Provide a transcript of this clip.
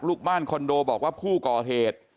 ลูกบ้านคอนโดบอกว่าผู้ก่อเหตุ